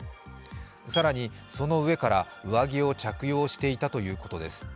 更にその上から上着を着用していたということです。